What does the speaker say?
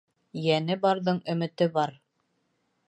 Йәне барҙың өмөтө бар.